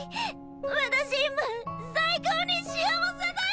私今最高に幸せデス！